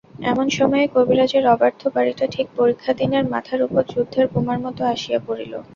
এমন সময়ে কবিরাজের অব্যর্থ বড়িটা ঠিক পরীক্ষাদিনের মাথার উপর যুদ্ধের বোমার মতো আসিয়া পড়িল।